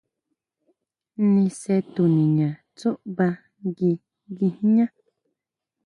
Nise tuniña tsúʼba ngui guijñá.